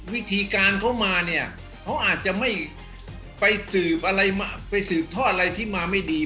วิธีการเขามาเนี่ยเขาอาจจะไม่ไปสืบอะไรไปสืบทอดอะไรที่มาไม่ดี